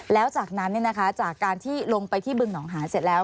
แล้วจากนั้นจากการที่ลงไปที่บึงหองหานเสร็จแล้ว